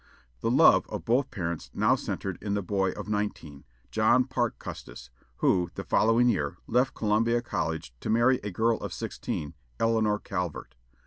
The love of both parents now centred in the boy of nineteen, John Parke Custis, who, the following year, left Columbia College to marry a girl of sixteen, Eleanor Calvert.